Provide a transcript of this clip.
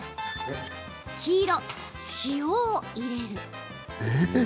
黄色・塩を入れる。